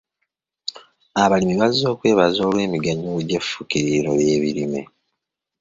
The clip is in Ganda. Abalimi bazze kwebaza olw'emiganyulo gy'effukiriro ly'ebirime.